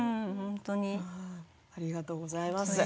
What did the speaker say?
ありがとうございます。